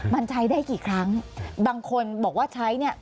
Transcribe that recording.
มันใช้ได้กี่ครั้งบางคนบอกว่าใช้เนี่ย